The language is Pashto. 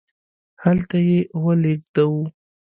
هلته یې ولیږدوو.